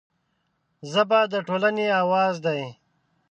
ژبه د ټولنې اواز دی